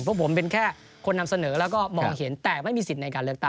เพราะผมเป็นแค่คนนำเสนอแล้วก็มองเห็นแต่ไม่มีสิทธิ์ในการเลือกตั้ง